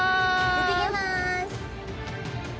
行ってきます！